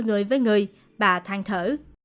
người với người bà thang thở